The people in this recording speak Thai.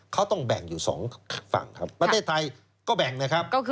เขาต้องแบ่งอยู่สองฝั่งครับประเทศไทยก็แบ่งนะครับ